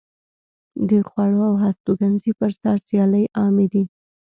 د خوړو او هستوګنځي پر سر سیالۍ عامې دي.